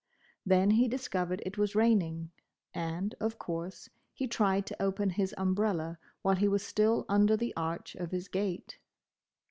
Then he discovered it was raining, and, of course, he tried to open his umbrella while he was still under the arch of his gate.